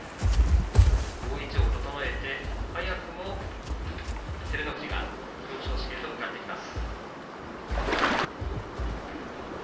大いちょうを整えて早くも照ノ富士が表彰式へと向かっています。